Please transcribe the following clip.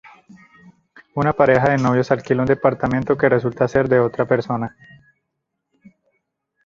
Una pareja de novios alquila un departamento que resulta ser de otra persona.